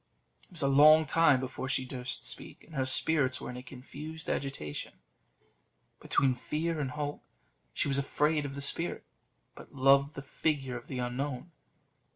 It was a long time before she durst speak, and her spirits were in a confused agitation between fear and hope. She was afraid of the spirit, but loved the figure of the unknown.